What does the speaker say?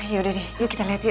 yaudah deh yuk kita lihat yuk